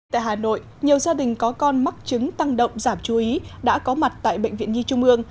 tại hà nội nhiều gia đình có con mắc chứng tăng động giảm chú ý đã có mặt tại bệnh viện nhi trung ương